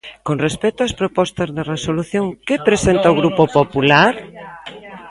¿Con respecto ás propostas de resolución que presenta o Grupo Popular?